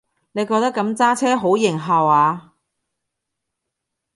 你覺得噉揸車好型下話？